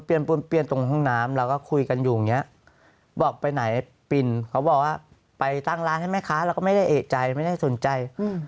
เขาบอกว่าไปตั้งร้านใช่ไหมคะเราก็ไม่ได้เอกใจไม่ได้สนใจ